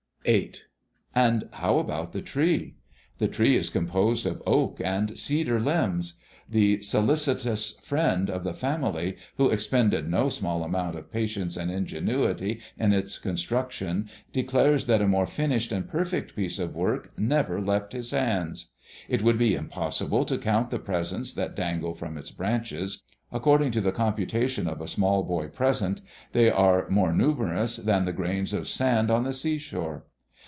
VIII. And how about the tree? The tree is composed of oak and cedar limbs. The solicitous friend of the family who expended no small amount of patience and ingenuity in its construction declares that a more finished and perfect piece of work never left his hands. It would be impossible to count the presents that dangle from its branches. According to the computation of a small boy present, they are more numerous than the grains of sand on the seashore.